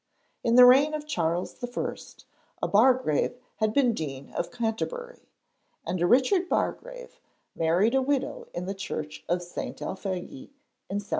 In the reign of Charles I. a Bargrave had been Dean of Canterbury, and a Richard Bargrave married a widow in the church of St. Alphege in 1700.